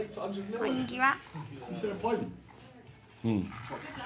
こんにちは。